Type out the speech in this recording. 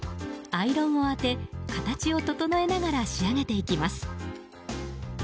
アイロンを当て形を整えながら仕上げていきます。